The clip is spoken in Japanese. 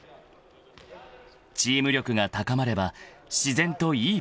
［チーム力が高まれば自然といいプレーが生まれる］